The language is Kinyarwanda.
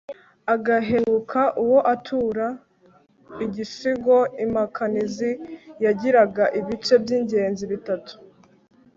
agaheruka uwo atura igisigo. impakanizi yagiraga ibice by'ingenzi bitatu